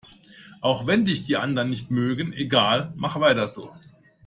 Auch wenn dich die anderen nicht mögen, egal, mach weiter so!